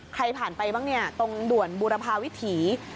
ใครผ่านไปบ้างเนี่ยตรงด่วนบุรพาวิถี